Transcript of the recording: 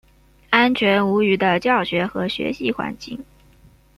安全无虞的教学和学习环境